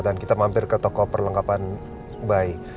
dan kita mampir ke toko perlengkapan bayi